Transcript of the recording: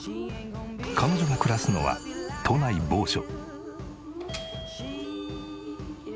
彼女が暮らすのは都内某所。